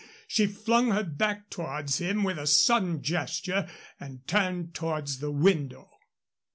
She flung her back towards him with a sudden gesture and turned towards the window.